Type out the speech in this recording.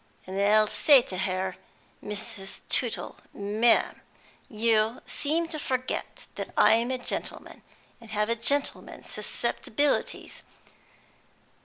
and I'll say to her, 'Mrs. Tootle, ma'am, you seem to forget that I'm a gentleman, and have a gentleman's susceptibilities.